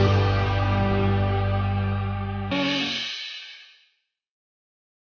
kita bersama nanda